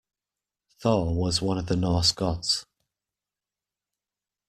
Thor was one of the Norse gods.